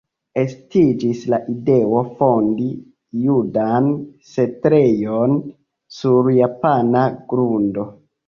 Estiĝis la ideo fondi judan setlejon sur japana grundo.